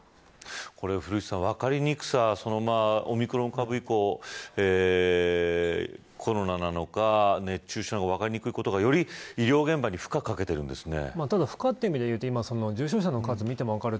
古市さん、分かりにくさオミクロン株以降コロナなのか熱中症なのか分かりにくいことがより医療現場に負荷をかけているんですね。